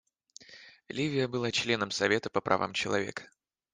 Ливия была членом Совета по правам человека.